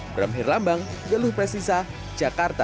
berambil lambang geluh presisa jakarta